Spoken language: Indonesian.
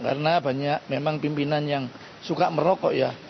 karena banyak memang pimpinan yang suka merokok ya